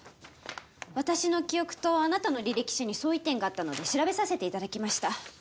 私の記憶とあなたの履歴書に相違点があったので調べさせていただきました